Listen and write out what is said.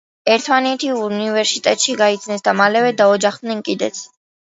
ერთმანეთი უნივერსიტეტში გაიცნეს და მალევე დაოჯახდნენ კიდეც.